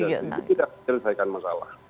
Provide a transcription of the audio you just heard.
saya tidak setuju itu tidak menyelesaikan masalah